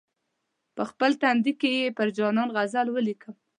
په خپل تندي کې پر جانان غزل ولیکم.